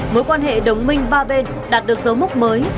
mối quan hệ đồng minh ba bên đạt được dấu mốc mới